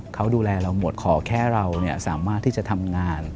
เขาดูแลเราหมดขอแค่เราสามารถที่จะทำงาน